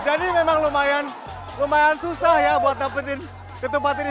jadi jadi memang lumayan lumayan susah ya buat dapetin ketupat ini